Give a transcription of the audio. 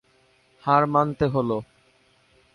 হার মানতে হল।